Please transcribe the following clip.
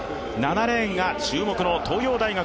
７レーンが注目の東洋大学１